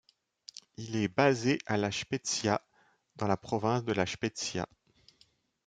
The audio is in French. Il est basé à La Spezia dans la province de La Spezia.